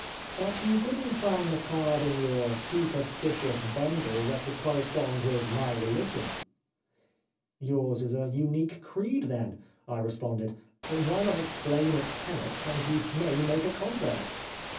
But you couldn't find a card in your supposi 380 The Life of Oscar Wilde titious bundle that would correspond with my religion.' "' Yours is a unique creed, then,' I responded, * why not explain its tenets and you may make a convert